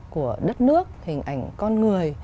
của đất nước hình ảnh con người